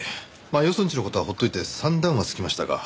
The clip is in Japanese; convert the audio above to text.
まあよそんちの事は放っといて算段はつきましたか？